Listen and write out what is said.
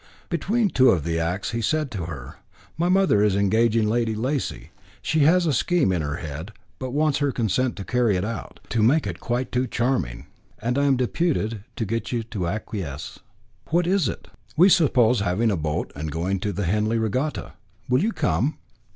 Between two of the acts he said to her: "My mother is engaging Lady Lacy. She has a scheme in her head, but wants her consent to carry it out, to make it quite too charming. And I am deputed to get you to acquiesce." "What is it?" "We purpose having a boat and going to the Henley Regatta. Will you come?"